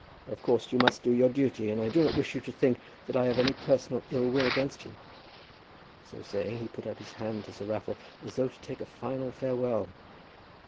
Of course you must do your duty, and I do not wish you to think that I have any personal ill will against you." So saying, he put out his hand to Sir Raffle as though to take a final farewell.